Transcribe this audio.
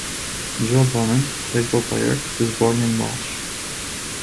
Joe Bauman, baseball player, was born in Welch.